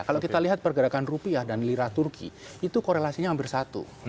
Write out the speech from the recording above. kalau kita lihat pergerakan rupiah dan lira turki itu korelasinya hampir satu